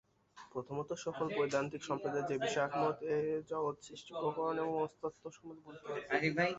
প্রথমত সকল বৈদান্তিক সম্প্রদায় যে-বিষয়ে একমত, সেই জগৎসৃষ্টিপ্রকরণ এবং মনস্তত্ত্ব সম্বন্ধে বুঝিতে হইবে।